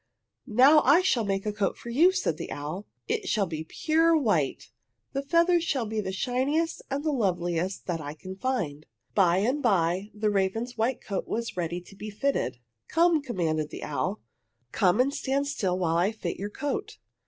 "Now I shall make a coat for you," said the owl. "It shall be pure white. The feathers shall be the shiniest and the loveliest that I can find!" By and bye the raven's white coat was ready to be fitted. "Come," commanded the owl. "Come and stand still while I fit your coat."